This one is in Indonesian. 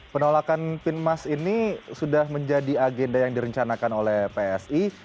penolakan pinmas ini sudah menjadi agenda yang direncanakan oleh psi